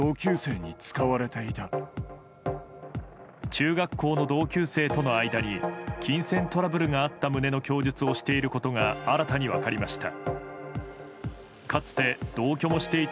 中学校の同級生との間に金銭トラブルがあった旨の供述をしていることが新たに分かりました。